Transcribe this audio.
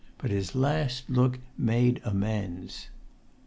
But his last look made amends.